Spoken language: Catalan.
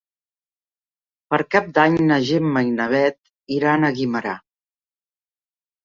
Per Cap d'Any na Gemma i na Bet iran a Guimerà.